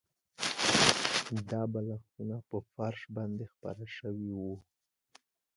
دا بالښتونه په فرش باندې خپاره شوي وو